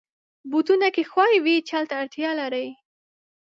بوټونه که ښوی وي، چل ته اړتیا لري.